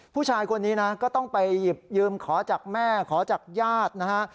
ผู้ชายคนนี้นะก็ต้องไปหยิบยืมขอจากแม่ขอจากญาตินะฮะ